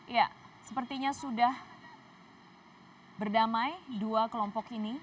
ya sepertinya sudah berdamai dua kelompok ini